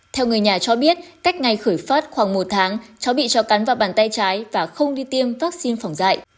theo người nhà cho biết cách ngày khởi phát khoảng một tháng cháu bị cho cắn vào bàn tay trái và không đi tiêm vaccine phòng dạy